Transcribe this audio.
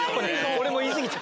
俺も言い過ぎた。